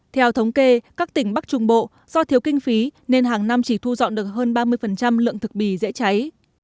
theo thống kê các tỉnh bắc trung bộ do thiếu kinh phí nên hàng năm chỉ thu dọn được hơn ba mươi lượng thực bì dễ cháy